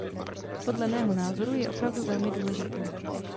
Podle mého názoru je opravdu velmi důležitá.